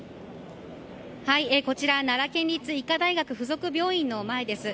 奈良県立医科大学附属病院の前です。